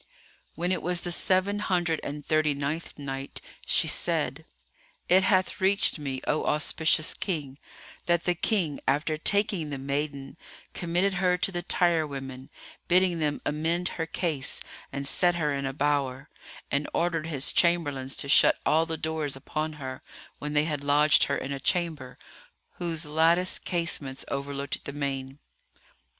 When it was the Seven Hundred and Thirty ninth Night, She said, It hath reached me, O auspicious King, that the King after taking the maiden, committed her to the tire women bidding them amend her case and set her in a bower, and ordered his chamberlains to shut all the doors upon her when they had lodged her in a chamber whose latticed casements overlooked the main.